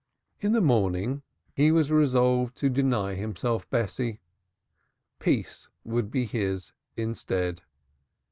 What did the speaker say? In the morning he was resolved to deny himself Bessie. Peace would be his instead.